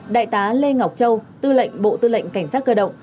đại tá lê ngọc châu tư lệnh bộ tư lệnh cảnh sát cơ động